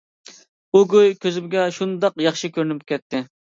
ئۇ گۇي كۆزۈمگە شۇنداق ياخشى كۆرۈنۈپ كەتتى.